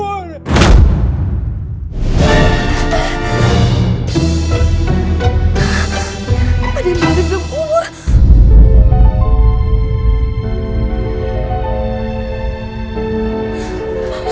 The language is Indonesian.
ada yang mandi belom kubur